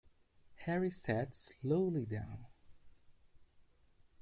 Harry sat slowly down.